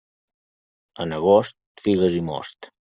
En agost, figues i most.